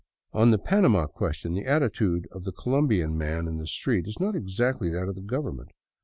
On the " Panama question " the attitude of the Colombian man in the street is not exactly that of the Government.